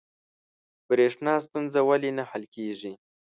بریښنا ستونزه ولې نه حل کیږي؟